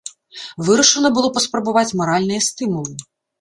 Вырашана было паспрабаваць маральныя стымулы.